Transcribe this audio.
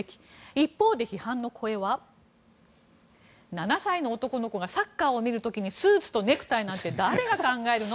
一方、批判の声は７歳の男の子がサッカーを見る時にスーツとネクタイなんて誰が考えるの？